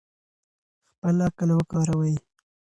خپل عقل وکاروئ.